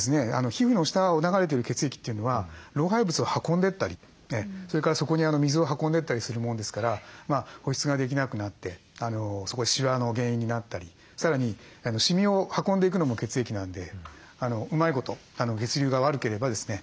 皮膚の下を流れてる血液というのは老廃物を運んでったりそれからそこに水を運んでったりするもんですから保湿ができなくなってそこでシワの原因になったりさらにシミを運んでいくのも血液なんでうまいこと血流が悪ければですね